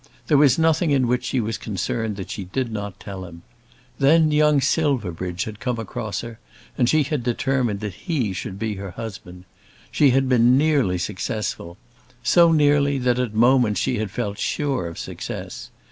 There was nothing in which she was concerned that she did not tell him. Then young Silverbridge had come across her, and she had determined that he should be her husband. She had been nearly successful, so nearly that at moments she had felt sure of success.